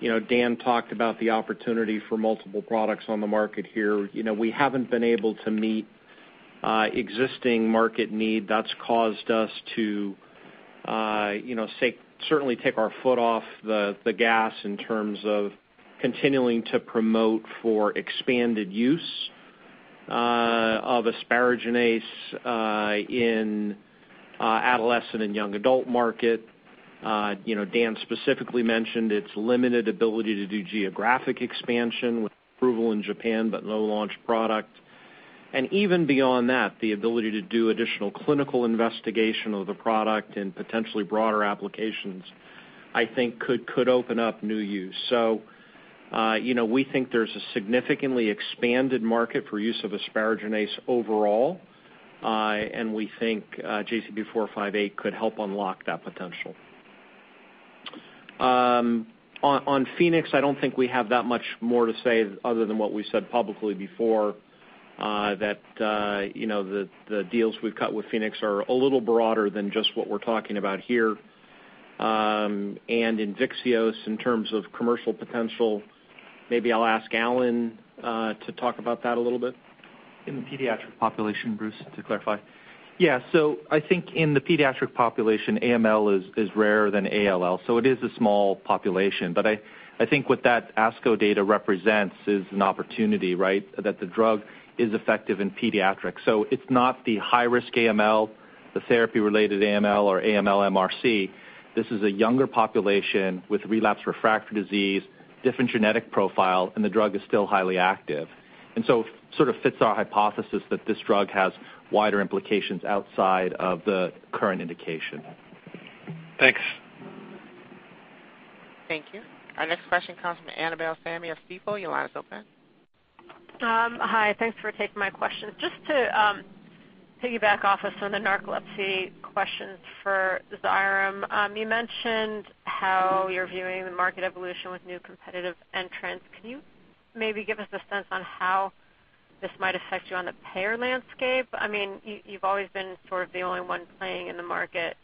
you know, Dan Swisher talked about the opportunity for multiple products on the market here. You know, we haven't been able to meet existing market need. That's caused us to, you know, say, certainly take our foot off the gas in terms of continuing to promote for expanded use of asparaginase in adolescent and young adult market. You know, Dan specifically mentioned its limited ability to do geographic expansion with approval in Japan, but no launch product. Even beyond that, the ability to do additional clinical investigation of the product and potentially broader applications, I think could open up new use. You know, we think there's a significantly expanded market for use of asparaginase overall, and we think JZP-458 could help unlock that potential. On Pfenex, I don't think we have that much more to say other than what we said publicly before, that you know, the deals we've cut with Pfenex are a little broader than just what we're talking about here. In Vyxeos, in terms of commercial potential, maybe I'll ask Allen to talk about that a little bit. In the pediatric population, Bruce, to clarify? Yeah. I think in the pediatric population, AML is rarer than ALL, so it is a small population. I think what that ASCO data represents is an opportunity, right? That the drug is effective in pediatrics. It's not the high-risk AML, the therapy-related AML or AML-MRC. This is a younger population with relapsed refractory disease, different genetic profile, and the drug is still highly active. Sort of fits our hypothesis that this drug has wider implications outside of the current indication. Thanks. Thank you. Our next question comes from Annabel Samimy of Stifel. Your line is open. Hi. Thanks for taking my question. Just to piggyback off of some of the narcolepsy questions for Xyrem. You mentioned how you're viewing the market evolution with new competitive entrants. Can you maybe give us a sense on how this might affect you on the payer landscape? I mean, you've always been sort of the only one playing in the market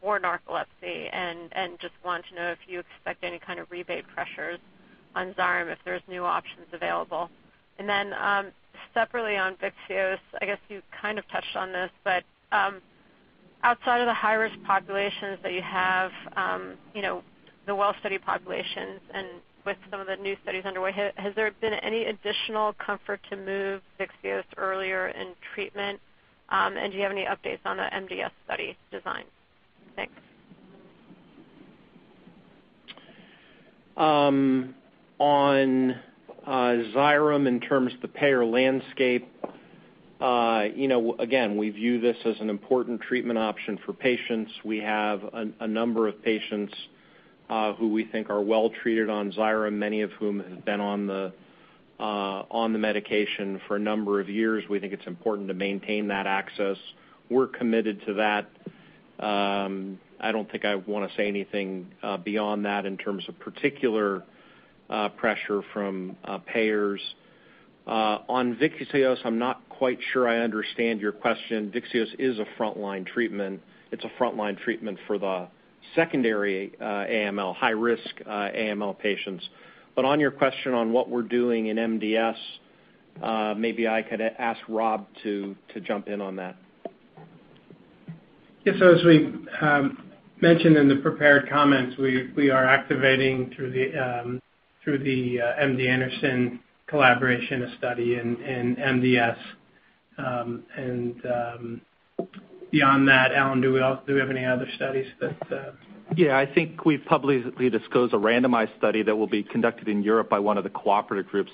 for narcolepsy, and just want to know if you expect any kind of rebate pressures on Xyrem if there's new options available. Then, separately on Vyxeos, I guess you kind of touched on this, but outside of the high-risk populations that you have, you know, the well study populations and with some of the new studies underway, has there been any additional comfort to move Vyxeos earlier in treatment? Do you have any updates on the MDS study design? Thanks. On Xyrem in terms of the payer landscape, you know, again, we view this as an important treatment option for patients. We have a number of patients who we think are well-treated on Xyrem, many of whom have been on the medication for a number of years. We think it's important to maintain that access. We're committed to that. I don't think I wanna say anything beyond that in terms of particular pressure from payers. On Vyxeos, I'm not quite sure I understand your question. Vyxeos is a frontline treatment. It's a frontline treatment for the secondary AML, high-risk AML patients. On your question on what we're doing in MDS, maybe I could ask Rob to jump in on that. Yes, as we've mentioned in the prepared comments, we are activating through the MD Anderson collaboration a study in MDS. Beyond that, Allen, do we have any other studies that? Yeah, I think we've publicly disclosed a randomized study that will be conducted in Europe by one of the cooperative groups.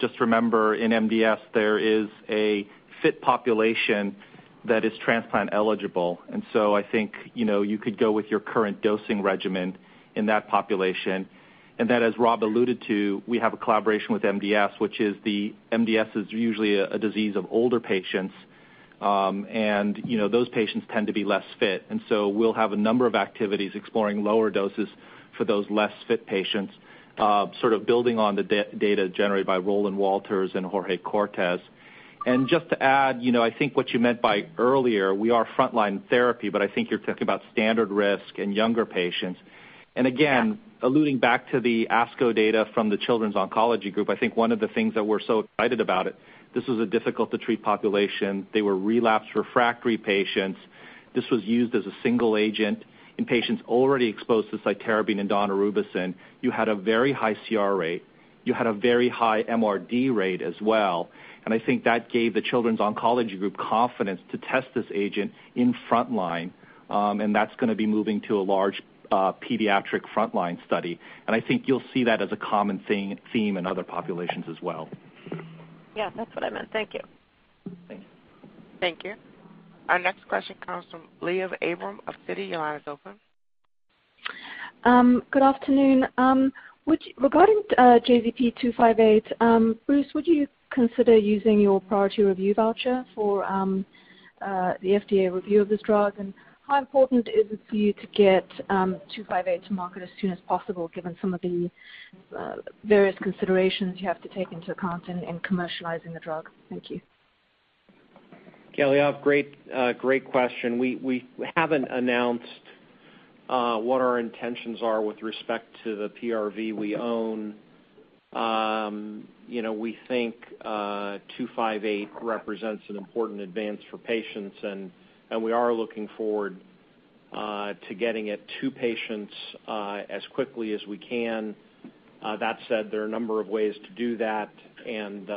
Just remember, in MDS, there is a fit population that is transplant eligible. I think, you know, you could go with your current dosing regimen in that population. That as Rob alluded to, we have a collaboration with MDS, which is the MDS is usually a disease of older patients. You know, those patients tend to be less fit. We'll have a number of activities exploring lower doses for those less fit patients, sort of building on the data generated by Roeland Walters and Jorge Cortes. Just to add, you know, I think what you meant by earlier, we are frontline therapy, but I think you're talking about standard risk in younger patients. Again, alluding back to the ASCO data from the Children's Oncology Group, I think one of the things that we're so excited about it, this is a difficult to treat population. They were relapsed refractory patients. This was used as a single agent in patients already exposed to cytarabine and daunorubicin. You had a very high CR rate. You had a very high MRD rate as well. I think that gave the Children's Oncology Group confidence to test this agent in frontline, and that's gonna be moving to a large, pediatric frontline study. I think you'll see that as a common theme in other populations as well. Yeah, that's what I meant. Thank you. Thanks. Thank you. Our next question comes from Liav Abraham of Citi. Your line is open. Good afternoon. Regarding JZP-258, Bruce, would you consider using your priority review voucher for the FDA review of this drug? How important is it for you to get JZP-258 to market as soon as possible, given some of the various considerations you have to take into account in commercializing the drug? Thank you. Yeah, Liav, great question. We haven't announced what our intentions are with respect to the PRV we own. You know, we think JZP-258 represents an important advance for patients, and we are looking forward to getting it to patients as quickly as we can. That said, there are a number of ways to do that and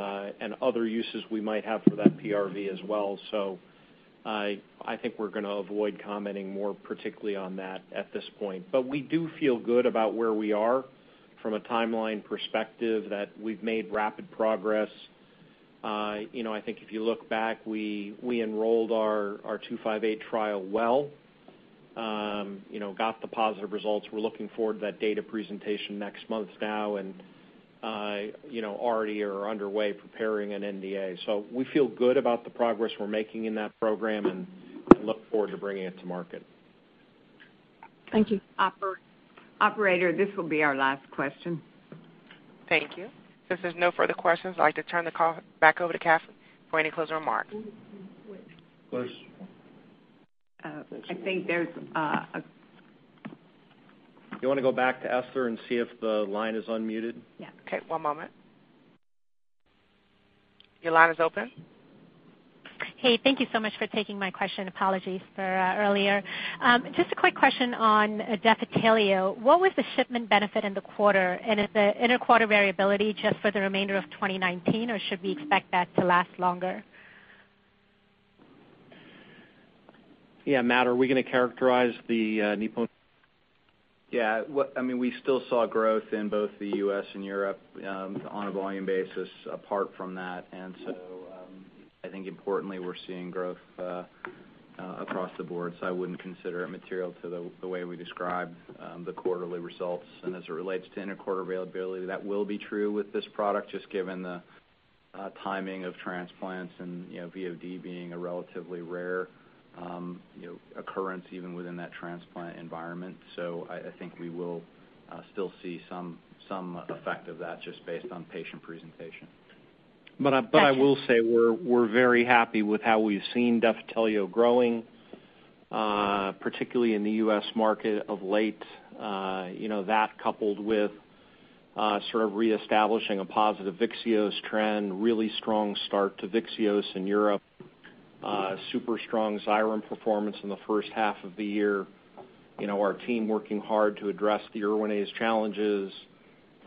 other uses we might have for that PRV as well. I think we're gonna avoid commenting more particularly on that at this point. We do feel good about where we are from a timeline perspective, that we've made rapid progress. You know, I think if you look back, we enrolled our JZP-258 trial well. You know, got the positive results. We're looking forward to that data presentation next month now and, you know, already are underway preparing an NDA. We feel good about the progress we're making in that program and look forward to bringing it to market. Thank you. Operator, this will be our last question. Thank you. If there's no further questions, I'd like to turn the call back over to Kathy for any closing remarks. I think there's. You wanna go back to Esther and see if the line is unmuted? Yeah. Okay, one moment. Your line is open. Hey, thank you so much for taking my question. Apologies for earlier. Just a quick question on Defitelio. What was the shipment benefit in the quarter? And is the interquarter variability just for the remainder of 2019, or should we expect that to last longer? Yeah, Matt, are we gonna characterize the Nippon? Yeah. I mean, we still saw growth in both the U.S. and Europe on a volume basis apart from that. I think importantly, we're seeing growth across the board, so I wouldn't consider it material to the way we describe the quarterly results. As it relates to interquarter availability, that will be true with this product, just given the timing of transplants and, you know, VOD being a relatively rare, you know, occurrence even within that transplant environment. I think we will still see some effect of that just based on patient presentation. Gotcha. I will say we're very happy with how we've seen Defitelio growing, particularly in the U.S. market of late. You know, that coupled with sort of reestablishing a positive Vyxeos trend, really strong start to Vyxeos in Europe, super strong Xyrem performance in the first half of the year. You know, our team working hard to address the Erwinaze challenges,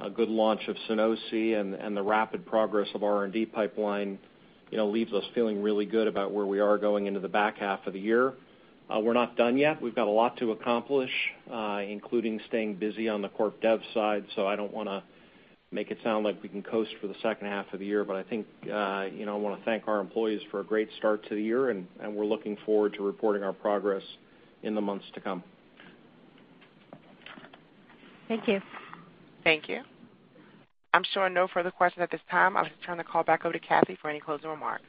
a good launch of Sunosi, and the rapid progress of R&D pipeline, you know, leaves us feeling really good about where we are going into the back half of the year. We're not done yet. We've got a lot to accomplish, including staying busy on the corp dev side, so I don't wanna make it sound like we can coast for the second half of the year. I think, you know, I wanna thank our employees for a great start to the year, and we're looking forward to reporting our progress in the months to come. Thank you. Thank you. I'm showing no further questions at this time. I'll just turn the call back over to Kathy for any closing remarks.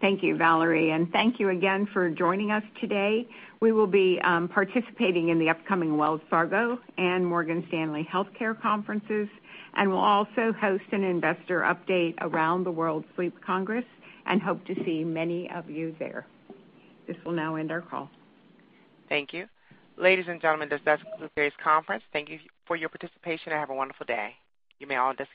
Thank you, Valerie. Thank you again for joining us today. We will be participating in the upcoming Wells Fargo and Morgan Stanley health care conferences, and we'll also host an investor update around the World Sleep Congress and hope to see many of you there. This will now end our call. Thank you. Ladies and gentlemen, this does conclude today's conference. Thank you for your participation and have a wonderful day. You may all disconnect.